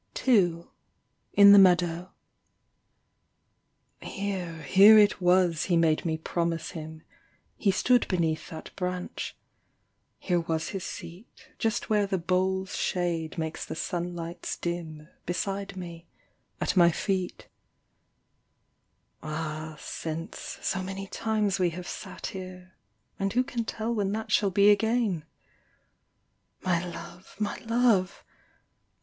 II. â IN THE MEADOW. << Here, here it was he made me promise him ; He stood beneath that branch ; here was his seat, Just where the bole's shade makes the sunlights dim, Beside me, at my feet Ah, since, so many times we have sat here : And who can tell when that shall be again ? My love ! my love